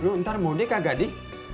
lu ntar mau deh kak gadi